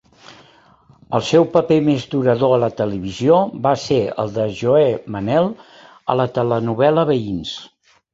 El seu paper més durador a la televisió va ser el de Joe Manel a la telenovel·la Veïns.